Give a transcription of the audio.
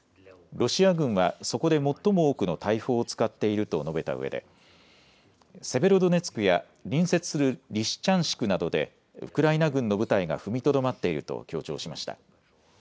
ロシア軍はそこで最も多くの大砲を使っていると述べたうえで、セベロドネツクや隣接するリシチャンシクなどで、ウクライナ軍の部隊が踏みとどまっていると強調しました。